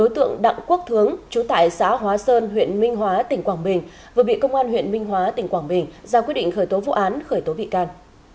đối tượng đặng quốc thướng chú tại xã hóa sơn huyện minh hóa tỉnh quảng bình vừa bị công an huyện minh hóa tỉnh quảng bình ra quyết định khởi tố vụ án khởi tố bị can